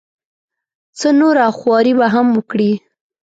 څه نوره خواري به هم وکړي.